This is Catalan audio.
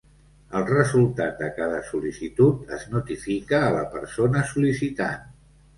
El resultat de cada sol·licitud es notifica a la persona sol·licitant.